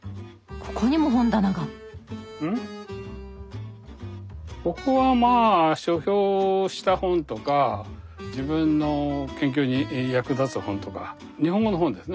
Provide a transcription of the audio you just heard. ここはまぁ書評した本とか自分の研究に役立つ本とか日本語の本ですね